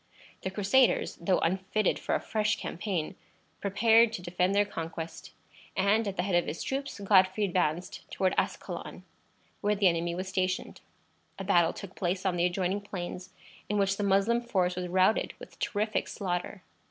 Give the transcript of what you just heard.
The Crusaders, though unfitted for a fresh campaign, prepared to defend their conquest, and, at the head of his troops, Godfrey advanced toward Ascalon, where the enemy was stationed. A battle took place on the adjoining plains, in which the Moslem force was routed with terrific slaughter.